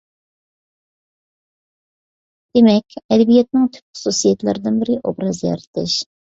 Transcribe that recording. دېمەك، ئەدەبىياتنىڭ تۈپ خۇسۇسىيەتلىرىنىڭ بىرى ئوبراز يارىتىش.